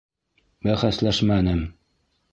Бәхәсләшмәнем.